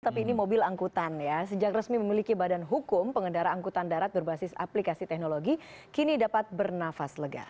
tapi ini mobil angkutan ya sejak resmi memiliki badan hukum pengendara angkutan darat berbasis aplikasi teknologi kini dapat bernafas lega